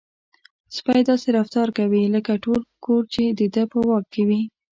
سپی داسې رفتار کوي لکه ټول کور چې د ده په واک کې وي.